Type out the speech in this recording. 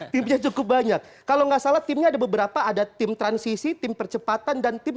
timnya cukup banyak kalau nggak salah timnya ada beberapa ada tim transisi tim percepatan dan tim